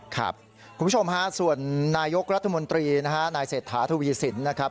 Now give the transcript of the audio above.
คุณผู้ชมฮะส่วนนายกรัฐมนตรีนะฮะนายเศรษฐาทวีสินนะครับ